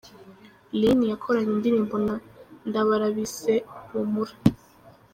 Lyn yakoranye indirimbo na Ndabara bise 'Humura'.